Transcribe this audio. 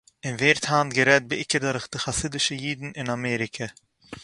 און ווערט היינט גערעדט בעיקר דורך די חסיד'ישע אידן אין אַמעריקע